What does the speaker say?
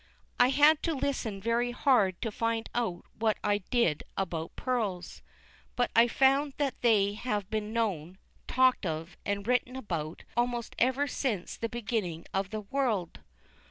I had to listen very hard to find out what I did about pearls. But I found that they have been known, talked of, and written about, almost ever since the beginning of the world.